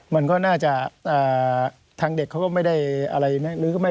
มันก็น่าจะทางเด็กเขาก็ไม่ได้อะไรนะ